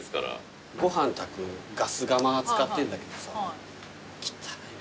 ご飯炊くガス釜使ってんだけどさ汚いの。